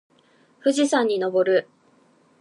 富士山に登る